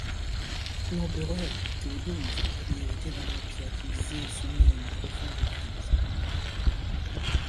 L'empereur Théodose avait hérité d'un empire divisé et soumis à une profonde crise.